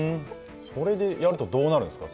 これでやるとどうなるんですか？